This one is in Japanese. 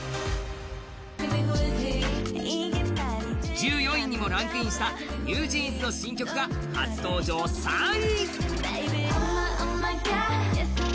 １４位にもランクインしたＮｅｗＪｅａｎｓの新曲が初登場３位。